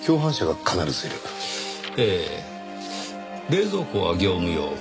冷蔵庫は業務用。